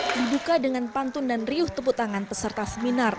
dibuka dengan pantun dan riuh tepuk tangan peserta seminar